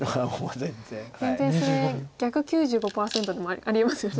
全然それ逆９５％でもありえますよね。